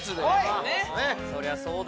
そりゃそうだ